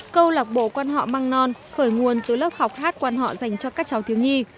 câu lạc bộ quan họ măng non khởi nguồn từ lớp học hát quan họ dành cho các cháu thiếu nhi